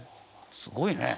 すごいね。